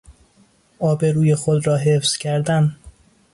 آبروی خود را حفظ کردن